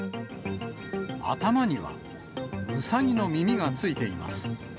頭にはうさぎの耳がついています。